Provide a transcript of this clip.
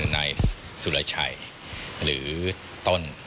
นายสุรชัยหรือต้น